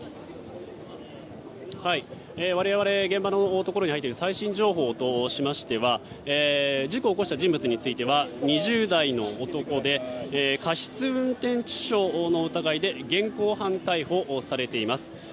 我々、現場のところに入っている最新情報としましては事故を起こした人物については２０代の男で過失運転致傷の疑いで現行犯逮捕されています。